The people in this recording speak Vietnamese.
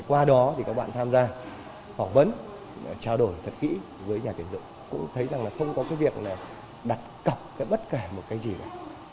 qua đó thì các bạn tham gia phỏng vấn trao đổi thật kỹ với nhà tiền dụng cũng thấy rằng không có việc đặt cọc bất kể một cái gì cả